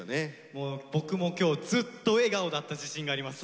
もう僕も今日ずっと笑顔だった自信があります。